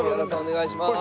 お願いします。